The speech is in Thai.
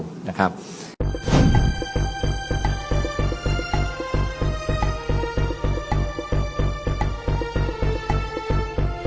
ไฟลอร์คอาศาสนุนยศ